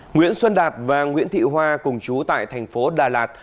nguyễn xuân đạt và nguyễn thị hoa cùng chú tại thành phố đà lạt